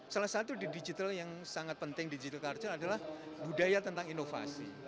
salah satu di digital yang sangat penting digital culture adalah budaya tentang inovasi